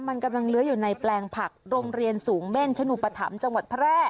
มันกำลังเลื้ออยู่ในแปลงผักโรงเรียนสูงเม่นชนุปธรรมจังหวัดแพร่